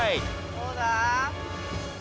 どうだ？